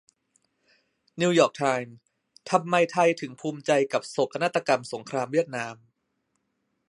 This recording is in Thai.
นิวยอร์กไทม์ : ทำไมไทยถึงภูมิใจกับโศกนาฏกรรมสงครามเวียดนาม